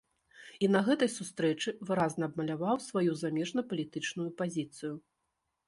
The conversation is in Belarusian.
І на гэтай сустрэчы выразна абмаляваў сваю замежнапалітычную пазіцыю.